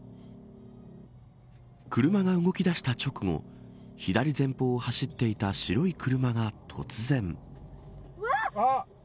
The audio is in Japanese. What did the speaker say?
車が動き出した直後左前方を走っていた白い車が突然。